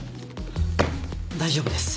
大丈夫です。